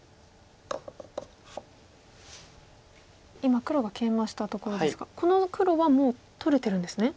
今黒がケイマしたところですがこの黒はもう取れてるんですね。